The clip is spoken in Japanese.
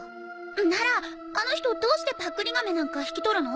ならあの人どうしてパックリ亀なんか引き取るの？